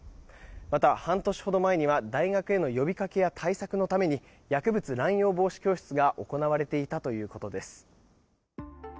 また、半年ほど前には大学への呼びかけや対策のために薬物乱用防止教室が行われていたということです。